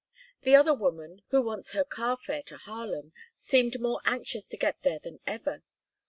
And the other woman, who wants her car fare to Harlem, seemed more anxious to get there than ever.